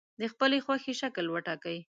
د خپلې خوښې شکل وټاکئ.